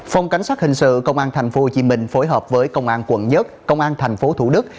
phòng cảnh sát hình sự công an tp hcm phối hợp với công an quận một công an tp thủ đức